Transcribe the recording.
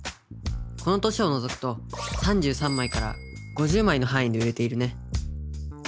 この年を除くと３３枚から５０枚のはんいで売れているね。